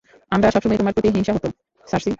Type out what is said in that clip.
আমরা সবসময়ই তোমার প্রতি হিংসা হতো, সার্সি।